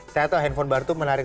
saya tahu handphone baru itu menarik